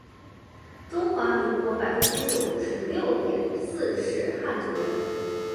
中华民国百分之九十六点四是汉族人